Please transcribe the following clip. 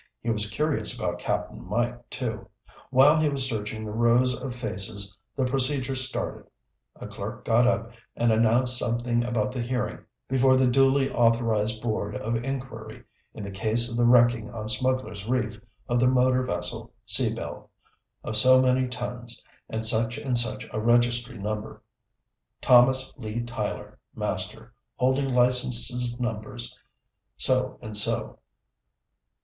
He was curious about Cap'n Mike, too. While he was searching the rows of faces, the procedure started. A clerk got up and announced something about the hearing being held before the duly authorized board of inquiry in the case of the wrecking on Smugglers' Reef of the motor vessel Sea Belle, of so many tons, and such and such a registry number, Thomas Lee Tyler, master, holding licenses numbers so and so.